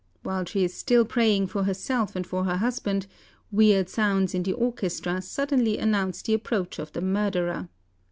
While she is still praying for herself and for her husband, weird sounds in the orchestra suddenly announce the approach of the murderer.